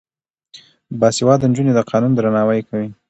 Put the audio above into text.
باسواده نجونې د قانون درناوی کوي.